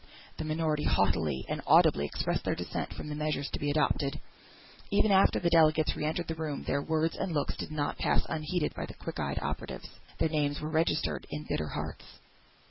The minority haughtily and audibly expressed their dissent from the measures to be adopted, even after the delegates re entered the room; their words and looks did not pass unheeded by the quick eyed operatives; their names were registered in bitter hearts.